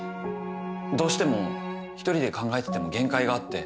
どうしても一人で考えてても限界があって。